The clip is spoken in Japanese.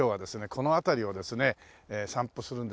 この辺りをですね散歩するんですが。